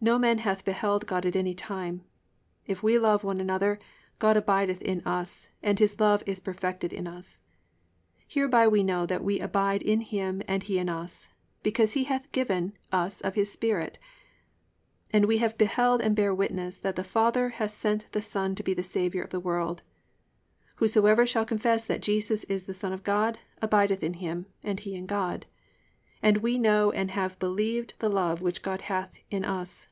(12) No man hath beheld God at any time: If we love one another, God abideth in us, and his love is perfected in us: (13) Hereby we know that we abide in him and he in us, because he hath given us of his spirit. (14) And we have beheld and bear witness that the father hath sent the Son to be the Saviour of the world. (15) Whosoever shall confess that Jesus is the son of God, God abideth in him, and he in God. (16) And we know and have believed the love which God hath in us.